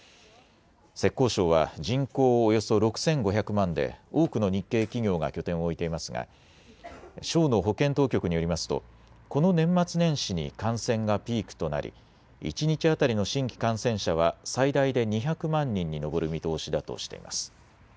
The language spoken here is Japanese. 浙江省は人口およそ６５００万で多くの日系企業が拠点を置いていますが省の保健当局によりますとこの年末年始に感染がピークとなり一日当たりの新規感染者は最大で２００万人に上る見通しだとしています。